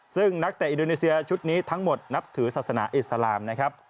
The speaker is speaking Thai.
ซึ่งนักเตะอินโดนีเซียชุดนี้ทั้งหมดนับถือศาสนาอิสลามนะครับ